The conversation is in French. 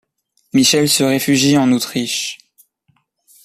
Michel se réfugie en Autriche.